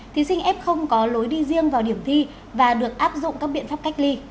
thí sinh f có lối đi riêng vào điểm thi và được áp dụng các biện pháp cách ly